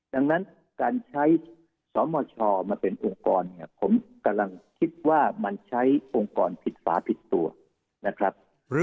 ดังนั้นการใช้สมชมาเป็นองค์กรเนี่ยผมกำลังคิดว่ามันใช้องค์กรผิดฝาผิดตัวนะครับ